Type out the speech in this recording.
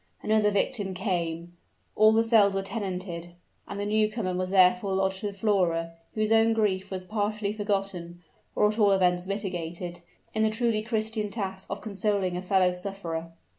Another victim came: all the cells were tenanted: and the new comer was therefore lodged with Flora, whose own grief was partially forgotten, or at all events mitigated, in the truly Christian task of consoling a fellow sufferer.